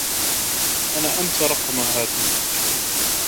أنا أنسى رقم هاتفك.